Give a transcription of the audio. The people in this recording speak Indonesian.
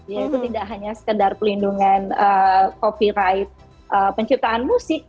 yaitu tidak hanya sekedar pelindungan copyright penciptaan musik